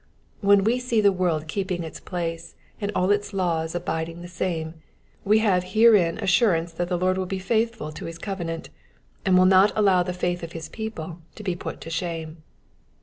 When we see the world keeping its place and all its laws abiding the same, we have herein assurance that &e Lord will be faithful to his covenant, and will not allow the faith of his people to be put to shame.